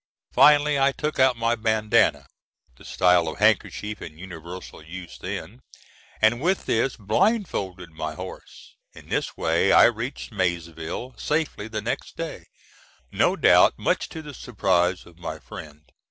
Finally I took out my bandanna the style of handkerchief in universal use then and with this blindfolded my horse. In this way I reached Maysville safely the next day, no doubt much to the surprise of my friend.